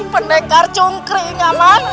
pendengar cungkri ngaman